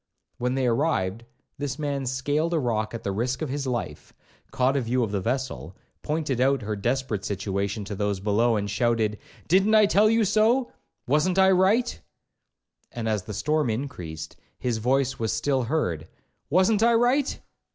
When they arrived, this man scaled a rock at the risk of his life, caught a view of the vessel, pointed out her desperate situation to those below, and shouted, 'Didn't I tell you so? wasn't I right?' And as the storm increased, his voice was still heard, 'wasn't I right?'